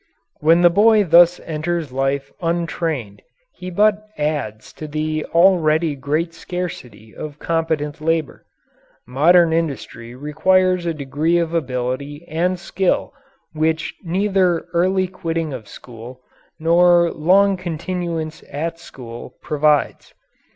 When the boy thus enters life untrained, he but adds to the already great scarcity of competent labour. Modern industry requires a degree of ability and skill which neither early quitting of school nor long continuance at school provides.